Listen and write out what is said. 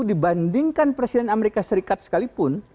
dibandingkan presiden amerika serikat sekalipun